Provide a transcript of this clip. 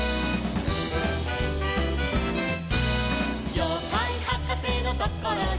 「ようかいはかせのところに」